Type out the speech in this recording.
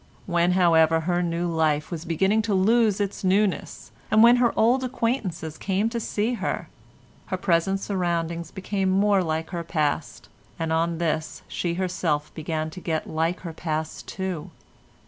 When, however, her new life was beginning to lose its newness, and when her old acquaintances came to see her, her present surroundings became more like her past, and on this she herself began to get like her past too.